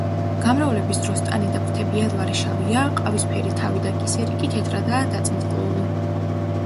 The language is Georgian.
გამრავლების დროს ტანი და ფრთები ელვარე შავია, ყავისფერი თავი და კისერი კი თეთრადაა დაწინწკლული.